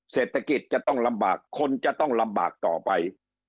เศรษฐกิจจะต้องลำบากคนจะต้องลำบากต่อไป